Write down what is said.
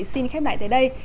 xin khép lại tại đây